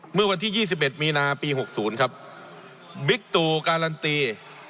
เมื่อวันที่ยี่สิบเอ็ดมีนาปีหกศูนย์ครับบิ๊กตูการันตี